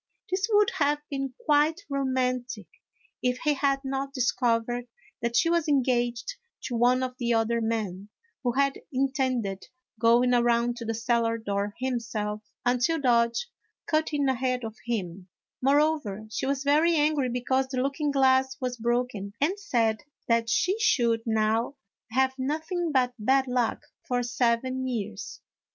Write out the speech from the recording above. This would have been quite romantic if he had not discovered that she was engaged to one of the other men, who had intended going around to the cellar door himself, until Dodge cut in ahead of him ; moreover, she was very angry because the looking glass was broken, and said that she should now have noth ing but bad luck for seven years.